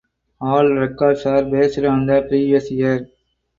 All records are based on the previous year.